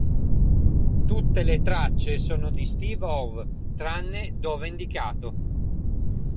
Tutte le tracce sono di Steve Howe tranne dove indicato.